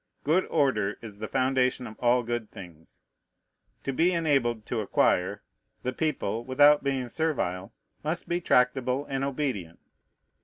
Good order is the foundation of all good things. To be enabled to acquire, the people, without being servile, must be tractable and obedient.